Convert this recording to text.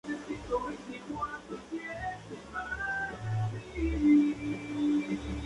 El mariscal era el siguiente al mando y literal vasallo del condestable.